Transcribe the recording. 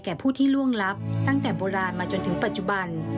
ผู้ที่ล่วงลับตั้งแต่โบราณมาจนถึงปัจจุบัน